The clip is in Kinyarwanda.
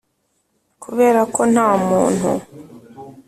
Kubera ko nta muntu